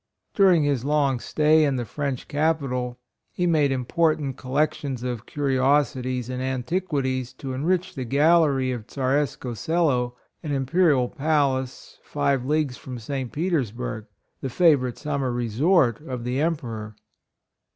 — During his long stay in the French capital, he made important collec tions of curiosities and antiquities to enrich the gallery of Tzareskoe Selo, an imperial palace five leagues from St. Petersburgh, the favorite summer resort of the Emperor.